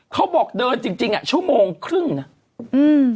เขาบอกเดินจริงชั่วโมงครึ่งนะ